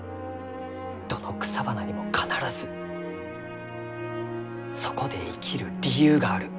どの草花にも必ずそこで生きる理由がある。